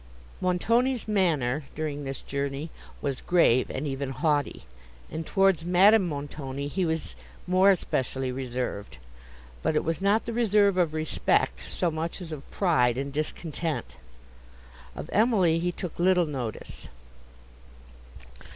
Montoni's manner, during this journey, was grave, and even haughty; and towards Madame Montoni he was more especially reserved; but it was not the reserve of respect so much as of pride and discontent. Of Emily he took little notice.